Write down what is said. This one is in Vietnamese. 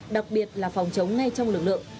đặc biệt là phòng chống ngay trong lực lượng